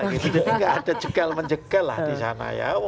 jadi nggak ada jegal menjegal lah di sana ya